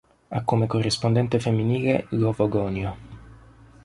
Ha come corrispondente femminile l'Ovogonio.